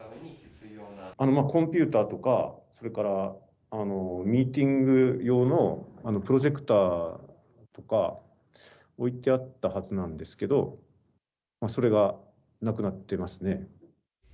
コンピューターとか、それからミーティング用のプロジェクターとか、置いてあったはずなんですけど、それがなくなってますね。